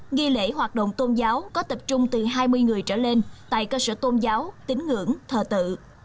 nghi lễ hoạt động tôn giáo có tập trung từ hai mươi người trở lên tại cơ sở tôn giáo tín ngưỡng thờ tự